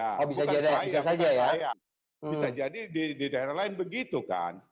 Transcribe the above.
bukan saya bisa jadi di daerah lain begitu kan